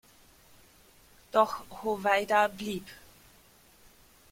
Doch Hoveyda blieb.